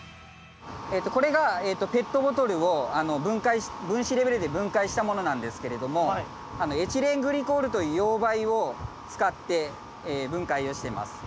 これがペットボトルを分解分子レベルで分解したものなんですけれどもエチレングリコールという溶媒を使って分解をしてます。